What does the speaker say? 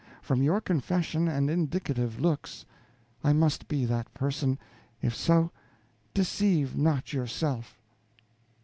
From your confession and indicative looks, I must be that person; if so, deceive not yourself."